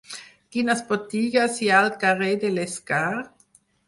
Quines botigues hi ha al carrer de l'Escar?